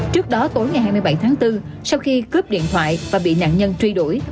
trước đó tối ngày hai mươi bảy tháng bốn sau khi cướp điện thoại và bị nạn nhân truy đuổi